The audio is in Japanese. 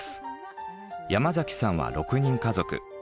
山さんは６人家族。